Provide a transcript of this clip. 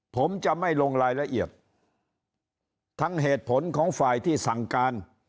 ผมจะไม่ลงรายละเอียดทั้งเหตุผลของฝ่ายที่สั่งการ